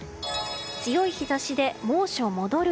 強い日差しで猛暑戻る。